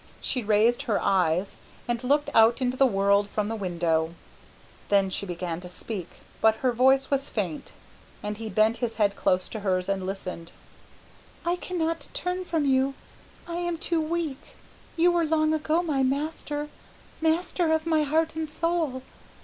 She raised her eyes and looked out into the world from the window. Then she began to speak, but her voice was faint, and he bent his head close to hers and listened. "I cannot turn from you; I am too weak. You were long ago my master master of my heart and soul.